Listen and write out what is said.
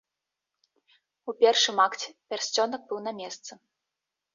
У першым акце пярсцёнак быў на месцы.